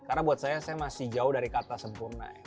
karena buat saya saya masih jauh dari kata sempurna ya